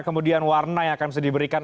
kemudian warna yang akan bisa diberikan